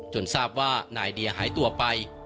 ทราบว่านายเดียหายตัวไป